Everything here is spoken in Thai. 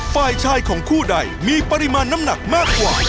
ฝ่ายชายของคู่ใดมีปริมาณน้ำหนักมากกว่า